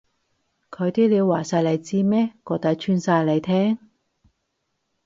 佢啲料話晒你知咩？個底穿晒你聽？